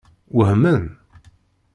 Wehmen?